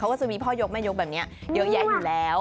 ก็จะมีพ่อยกแม่ยกแบบนี้เยอะแยะอยู่แล้ว